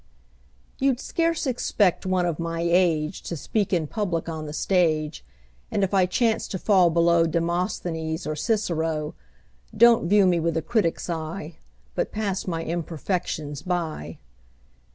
YOU'D scarce expect one of my age To speak in public on the stage, And if I chance to fall below Demosthenes or Cicero, Don't view me with a critic's eye, But pass my imperfections by.